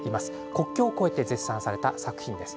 国境を超えて絶賛された作品です。